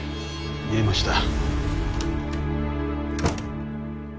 見えました。